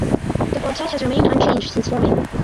The quartet has remained unchanged since forming.